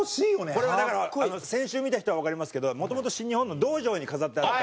これはだから先週見た人はわかりますけどもともと新日本の道場に飾ってあった。